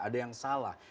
ada yang salah